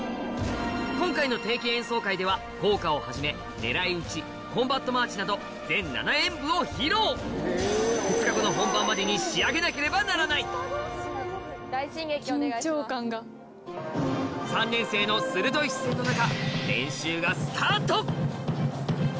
今回の定期演奏会では校歌をはじめ『狙いうち』『コンバットマーチ』など全７演舞を披露２日後の本番までに仕上げなければならない３年生の鋭い視線の中